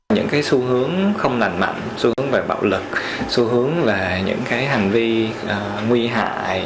những cái xu hướng không lành mạnh xu hướng về bạo lực xu hướng về những hành vi nguy hại